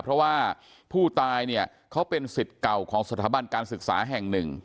เพราะว่าผู้ตายเนี่ยเขาเป็นสิทธิ์เก่าของสถาบันการศึกษาแห่งหนึ่ง